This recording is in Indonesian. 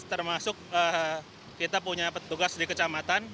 termasuk kita punya petugas di kecamatan